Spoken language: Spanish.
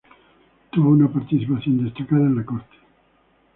Tuvo una participación destacada en la Corte.